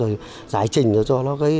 rồi giải trình cho nó